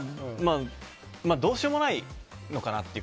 どうしようもないのかなって。